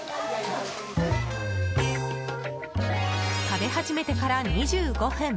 食べ始めてから２５分。